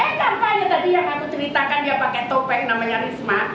eh katanya tadi yang aku ceritakan dia pakai topeng namanya risma